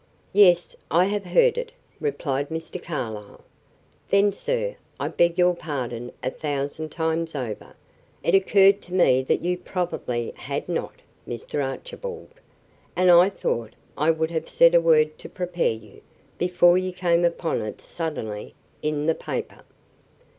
"Yes, I have heard it," replied Mr. Carlyle. "Then, sir, I beg your pardon a thousand times over. It occurred to me that you probably had not, Mr. Archibald; and I thought I would have said a word to prepare you, before you came upon it suddenly in the paper."